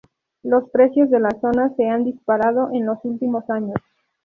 Los precios de la zona se han disparado en los últimos años.